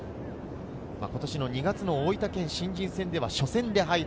今年の２月、大分県の新人戦では初戦で敗退。